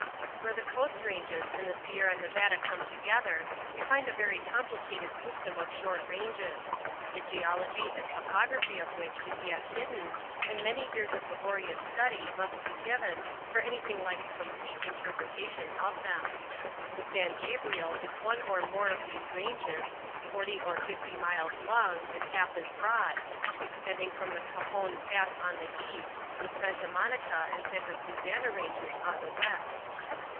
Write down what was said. Where the coast ranges and the Sierra Nevada come together we find a very complicated system of short ranges, the geology and topography of which is yet hidden, and many years of laborious study must be given for anything like a complete interpretation of them. The San Gabriel is one or more of these ranges, forty or fifty miles long, and half as broad, extending from the Cajon Pass on the east, to the Santa Monica and Santa Susanna ranges on the west.